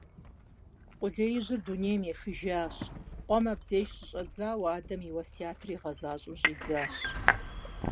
Къулеижьыр дунейм ехыжащ, къуэм абдеж щыщӀэдзауэ адэм и уэсятыр игъэзащӀэу щӀидзащ.